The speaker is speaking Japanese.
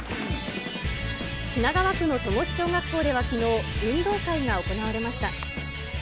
品川区の戸越小学校ではきのう、運動会が行われました。